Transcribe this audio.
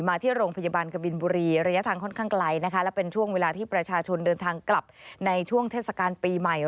ที่โรงพยาบาลกบินบุรีระยะทางค่อนข้างไกลนะคะและเป็นช่วงเวลาที่ประชาชนเดินทางกลับในช่วงเทศกาลปีใหม่